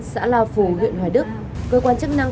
xã la phù huyện hoài đức cơ quan chức năng